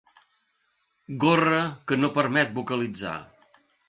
Gorra que no permet vocalitzar.